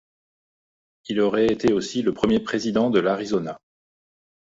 Il aurait été aussi le premier président de l'Arizona.